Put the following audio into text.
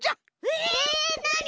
えなに？